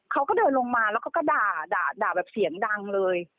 เขาก็เดินลงมาแล้วก็ด่าด่าแบบเสียงดังเลย